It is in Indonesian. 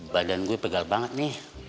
badan gue pegal banget nih